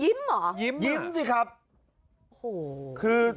ยิ้มเหรอยิ้มสิครับคือ